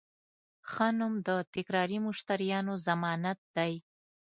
ښه نوم د تکراري مشتریانو ضمانت دی.